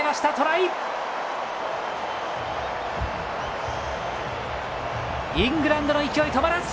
イングランドの勢い、止まらず！